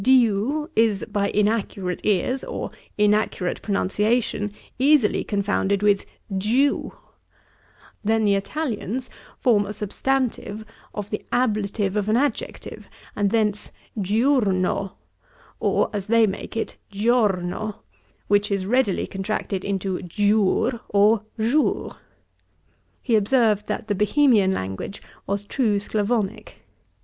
Diu is, by inaccurate ears, or inaccurate pronunciation, easily confounded with giu; then the Italians form a substantive of the ablative of an adjective, and thence giurno, or, as they make it, giorno; which is readily contracted into giour, or jour' He observed, that the Bohemian language was true Sclavonick.